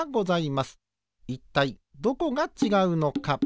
いったいどこがちがうのか。